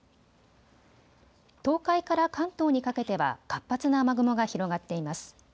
東海から関東にかけては活発な雨雲が広がっています。